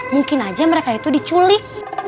mungkin aja mereka itu diculik